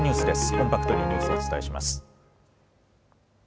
コンパクトにニュースをお伝えします。